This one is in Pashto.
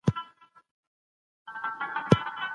د ژوند حق د الله تعالی ډالۍ ده.